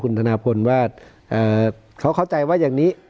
คุณธนาพลว่าเขาเข้าใจว่าอย่างนี้